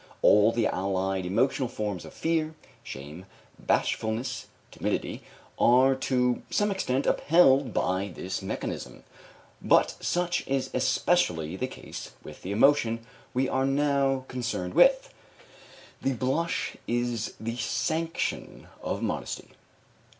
All the allied emotional forms of fear shame, bashfulness, timidity are to some extent upheld by this mechanism, but such is especially the case with the emotion we are now concerned with. The blush is the sanction of modesty.